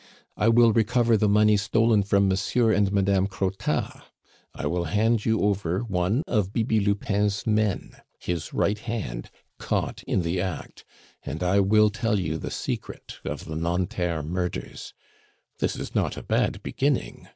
I will recover the money stolen from Monsieur and Madame Crottat; I will hand you over one of Bibi Lupin's men, his right hand, caught in the act; and I will tell you the secret of the Nanterre murders. This is not a bad beginning.